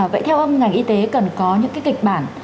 vậy theo ông ngành y tế cần có những cái kịch bản